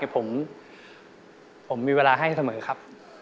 ผมมีเวลาให้เสมอครับ